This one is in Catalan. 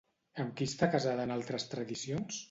Amb qui està casada en altres tradicions?